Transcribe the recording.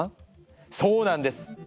そうなんです。